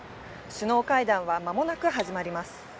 首脳会談はまもなく始まります。